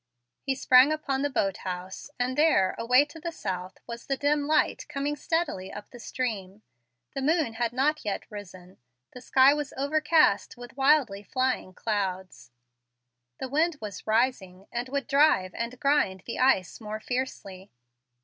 He sprang upon the boat house, and there, away to the south, was the dim light coming steadily up the stream. The moon had not yet risen; the sky was overcast with wildly flying clouds; the wind was rising, and would drive and grind the ice more fiercely.